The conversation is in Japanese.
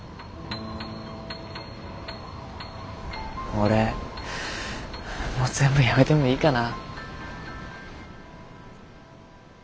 俺もう全部やめてもいいかな。